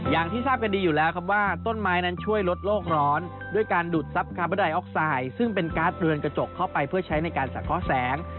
อย่างที่ทราบกันดีอยู่แล้วครับว่าต้นไม้นั้นช่วยลดโลกร้อนด้วยการดูดทรัพย์คาร์บอนไดออกไซด์ซึ่งเป็นการ์ดเรือนกระจกเข้าไปเพื่อใช้ในการสะเคาะแสง